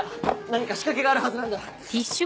何か仕掛けがあるはずなんだ！